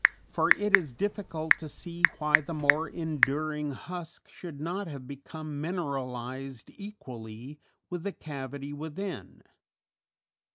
For it is difficult to see why the more enduring husk should not have become mineralized equally with the cavity within.